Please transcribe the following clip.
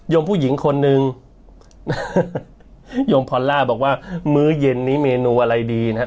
ผู้หญิงคนนึงโยมพอลล่าบอกว่ามื้อเย็นนี้เมนูอะไรดีนะครับ